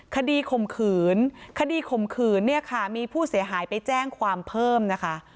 ข่มขืนคดีข่มขืนเนี่ยค่ะมีผู้เสียหายไปแจ้งความเพิ่มนะคะ